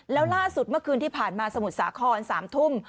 แล้วล่าสุดเมื่อคืนที่ผ่านมาสมุทรสาคร๓ทุ่ม